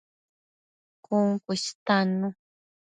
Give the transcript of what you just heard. Cun cu istannu